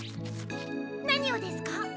何をですか？